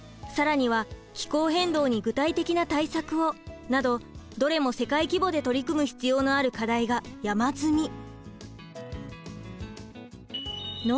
更には「気候変動に具体的な対策を」などどれも世界規模で取り組む必要のある課題が山積み。